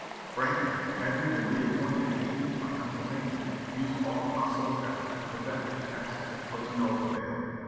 Franklin, having been reappointed agent for Pennsylvania, used all possible effort to prevent its passage, but to no avail.